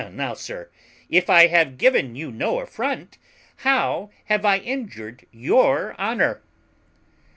Now, sir, if I have given you no affront, how have I injured your honour?"